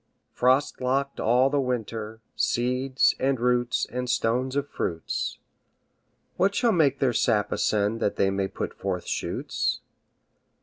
Frost locked all the winter, Seeds, and roots, and stones of fruits, What shall make their sap ascend That they may put forth shoots?